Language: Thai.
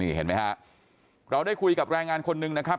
เห็นไหมฮะเราได้คุยกับแรงงานคนหนึ่งนะครับ